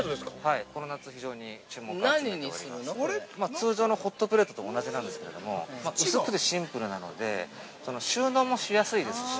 ◆通常のホットプレートと同じなんですけれども、薄くてシンプルなので、収納もしやすいですし。